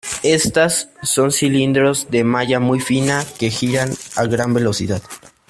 Estas son cilindros de malla muy fina que giran a gran velocidad.